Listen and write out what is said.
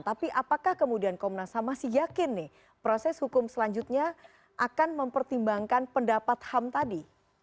tapi apakah kemudian komnas ham masih yakin nih proses hukum selanjutnya akan mempertimbangkan pendapat ham tadi